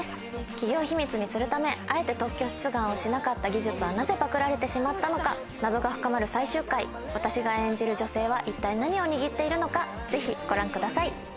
企業秘密にするためあえて特許出願をしなかった技術はなぜパクられてしまったのか謎が深まる最終回私が演じる女性は一体何を握っているのかぜひご覧ください。